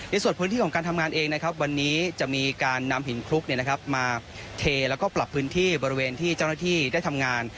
พื้นที่ของการทำงานเองนะครับวันนี้จะมีการนำหินคลุกมาเทแล้วก็ปรับพื้นที่บริเวณที่เจ้าหน้าที่ได้ทำงาน